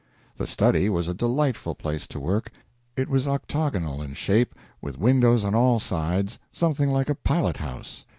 The study was a delightful place to work. It was octagonal in shape, with windows on all sides, something like a pilot house.